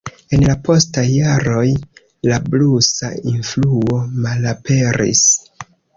En la postaj jaroj la blusa influo malaperis.